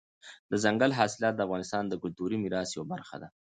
دځنګل حاصلات د افغانستان د کلتوري میراث یوه برخه ده.